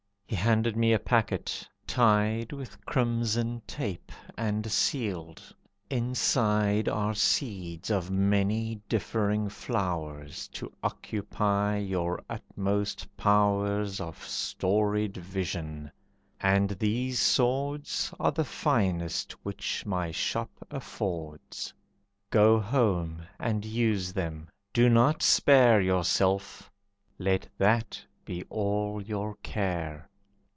He handed me a packet, tied With crimson tape, and sealed. "Inside Are seeds of many differing flowers, To occupy your utmost powers Of storied vision, and these swords Are the finest which my shop affords. Go home and use them; do not spare Yourself; let that be all your care.